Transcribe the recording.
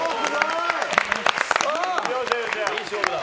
いい勝負だ。